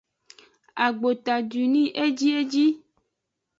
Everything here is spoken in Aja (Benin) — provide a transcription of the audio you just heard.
Agbota dwini ejieji.